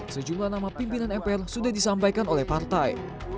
sejumlah nama pimpinan mpr sudah disampaikan oleh partai